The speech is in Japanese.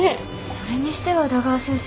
それにしては宇田川先生